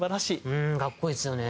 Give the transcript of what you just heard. うん格好いいですよね。